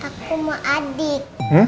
aku mau adik